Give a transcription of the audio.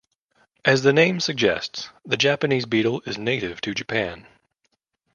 As the name suggests, the Japanese beetle is native to Japan.